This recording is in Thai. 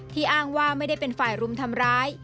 อ้างว่าไม่ได้เป็นฝ่ายรุมทำร้าย